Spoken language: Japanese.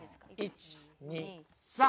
１２３！